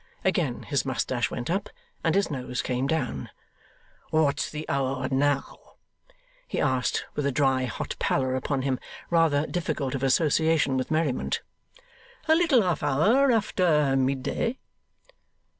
Again his moustache went up, and his nose came down. 'What's the hour now?' he asked, with a dry hot pallor upon him, rather difficult of association with merriment. 'A little half hour after mid day.